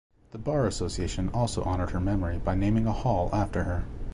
The Bar Association also honored her memory by naming a Hall after her.